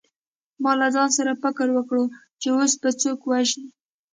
ما له ځان سره فکر وکړ چې اوس به څوک وژنې